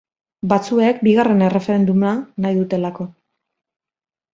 Batzuek bigarren erreferenduma nahi dutelako.